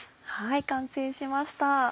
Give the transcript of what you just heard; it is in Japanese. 完成しました。